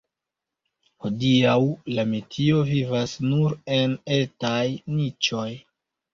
Hodiaŭ la metio vivas nur en etaj niĉoj.